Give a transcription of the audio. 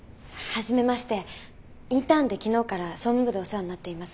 インターンで昨日から総務部でお世話になっています